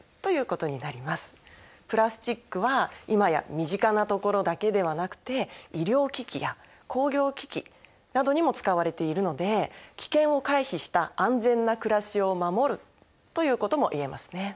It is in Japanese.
プラスチックは今や身近なところだけではなくて医療機器や工業機器などにも使われているので危険を回避した安全なくらしを守るということも言えますね。